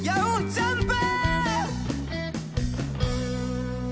ジャンプ！